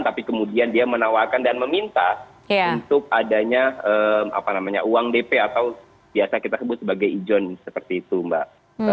tapi kemudian dia menawarkan dan meminta untuk adanya uang dp atau biasa kita sebut sebagai ijon seperti itu mbak